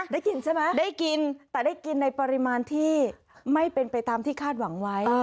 ได้กินใช่ไหมได้กินแต่ได้กินในปริมาณที่ไม่เป็นไปตามที่คาดหวังไว้